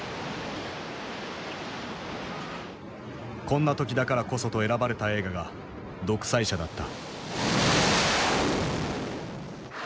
こんな時だからこそと選ばれた映画が「独裁者」だった。